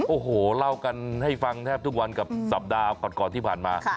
โอ้โหเล่ากันให้ฟังแทบทุกวันกับสัปดาห์ก่อนที่ผ่านมา